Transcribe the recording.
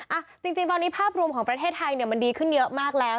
อ่ะจริงตอนนี้ภาพรวมของประเทศไทยเนี่ยมันดีขึ้นเยอะมากแล้ว